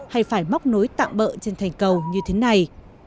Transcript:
hay phải móc nối tạm bỡ trên thành cầu như thế này